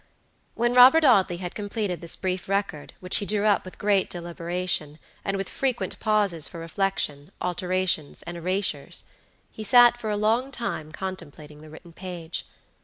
When Robert Audley had completed this brief record, which he drew up with great deliberation, and with frequent pauses for reflection, alterations and erasures, he sat for a long time contemplating the written page.